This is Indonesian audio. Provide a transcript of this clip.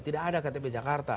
tidak ada ktp jakarta